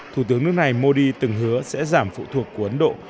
thủ tướng nước này modi từng hứa sẽ giảm phụ thuộc của ấn độ